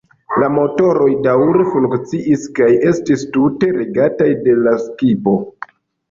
La motoroj daŭre funkciis kaj estis tute regataj de la skipo.